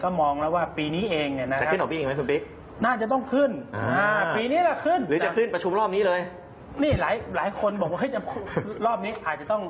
ก็มองแล้วว่าปีนี้เองเนี่ยนะครับ